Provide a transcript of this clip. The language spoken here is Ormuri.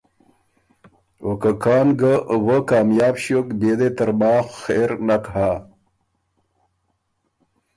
او که کان ګۀ وۀ کامیاب ݭیوک بيې دې ترماخ خېر نک هۀ۔